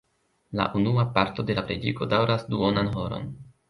La unua parto de la prediko daŭras duonan horon.